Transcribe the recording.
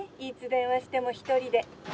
いつ電話しても一人で。